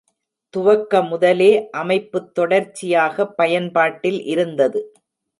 துவக்க முதலே அமைப்புத் தொடர்ச்சியாக பயன்பாட்டில் இருந்தது.